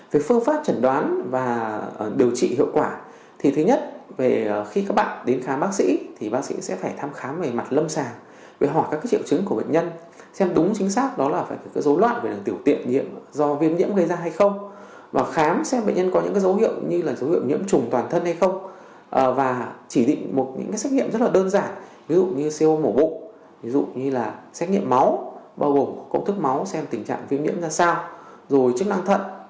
về phương pháp chẩn đoán và điều trị hiệu quả thì thứ nhất khi các bạn đến khám bác sĩ thì bác sĩ sẽ phải thăm khám về mặt lâm sàng về hỏi các triệu chứng của bệnh nhân xem đúng chính xác đó là phải có dấu loạn về tiểu tiện nhiễm do viêm nhiễm gây ra hay không và khám xem bệnh nhân có những dấu hiệu như là dấu hiệu nhiễm trùng toàn thân hay không và chỉ định một những xét nghiệm rất là đơn giản ví dụ như co mổ bụng ví dụ như là xét nghiệm máu bao gồm công thức máu xem tình trạng viêm nhiễm ra sao rồi chức năng thận